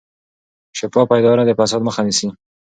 شفافه اداره د فساد مخه نیسي